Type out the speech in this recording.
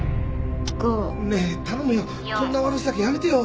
ねえ頼むよ。